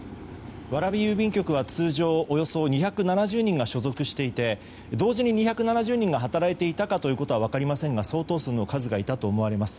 蕨郵便局は通常およそ２７０人が所属していて、同時に２７０人が働いていたかということは分かりませんが相当数の数がいたと思われます。